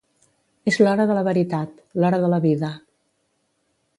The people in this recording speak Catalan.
És l'hora de la veritat, l'hora de la vida.